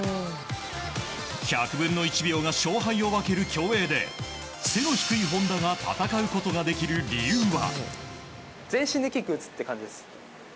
１００分の１秒が勝敗を分ける競泳で背の低い本多が戦うことができる理由は。